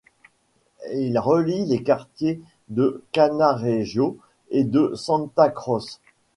Il relie les quartiers de Cannaregio et de Santa Croce.